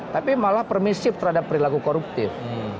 tapi malah permisif terhadap perilaku koruptif